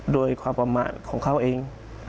โดยความประมาทของเขาเอง